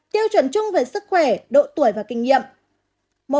tiêu chuẩn chung về sức khỏe độ tuổi và kinh nghiệm